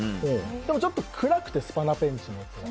でもちょっと暗くてスパナペンチのやつが。